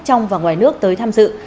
trong và ngoài nước tới tham dự